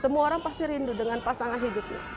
semua orang pasti rindu dengan pasangan hidupnya